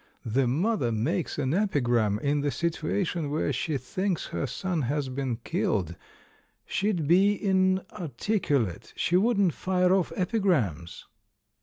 The mother makes an epigram in the situation where she thinks her son has been killed — she'd be in articulate, she wouldn't fire off epigrams."